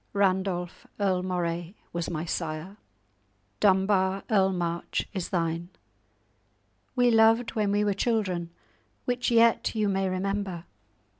Randolph, Earl Moray, was my sire; Dunbar, Earl March, is thine. We loved when we were children, which yet you may remember.